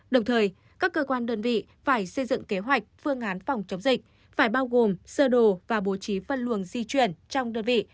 đồng thời các cơ quan đơn vị phải xây dựng kế hoạch phương án phòng chống dịch phải bao gồm sơ đồ và bố trí phân luồng di chuyển trong đơn vị